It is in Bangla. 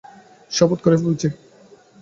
শপথ করে বলছি।